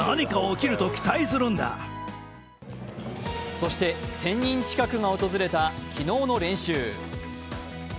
そして１０００人近くが訪れた昨日の練習。